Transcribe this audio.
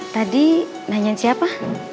tadi nanyain siapa